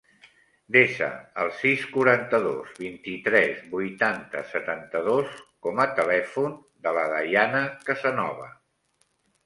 Desa el sis, quaranta-dos, vint-i-tres, vuitanta, setanta-dos com a telèfon de la Dayana Casanova.